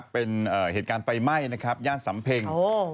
เป็นเหตุการณ์ไฟไหม้ญาติสัมเพงฯ